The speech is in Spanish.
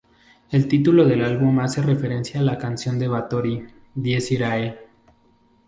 El título del álbum hace referencia a la canción de Bathory, Dies Irae.